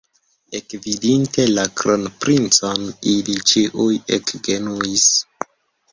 Ekvidinte la kronprincon, ili ĉiuj ekgenuis.